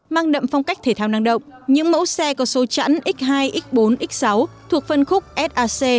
mang đậm phong cách thể thao năng động những mẫu xe có số chẵn x hai x bốn x sáu thuộc phân khúc sac